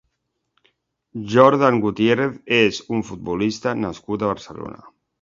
Jordan Gutiérrez és un futbolista nascut a Barcelona.